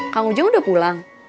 kak ujang udah pulang